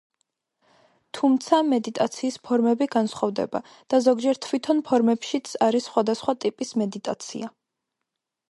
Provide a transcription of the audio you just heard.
თუმცა, მედიტაციის ფორმები განსხვავდება და ზოგჯერ თვითონ ფორმებშიც არის სხვადასხვა ტიპის მედიტაცია.